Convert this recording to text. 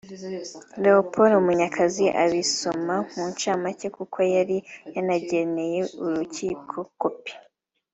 Leopord Munyakazi abisoma mu ncamake kuko yari yanageneye urukiko kopi